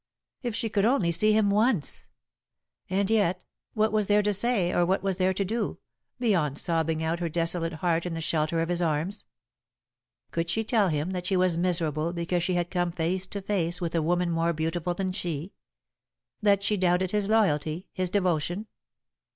If she could only see him once! And yet, what was there to say or what was there to do, beyond sobbing out her desolate heart in the shelter of his arms? Could she tell him that she was miserable because she had come face to face with a woman more beautiful than she; that she doubted his loyalty, his devotion?